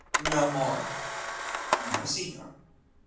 "No more?" "No, señor."